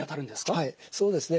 はいそうですね。